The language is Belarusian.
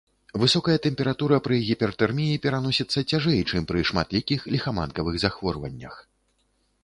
Высокая тэмпература пры гіпертэрміі пераносіцца цяжэй, чым пры шматлікіх ліхаманкавых захворваннях.